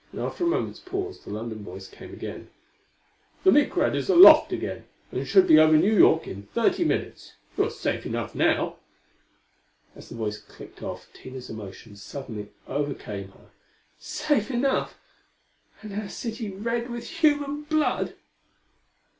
And after a moment's pause the London voice came again: "The Micrad is aloft again, and should be over New York in thirty minutes. You are safe enough now." As the voice clicked off Tina's emotion suddenly overcame her. "Safe enough! And our city red with human blood!"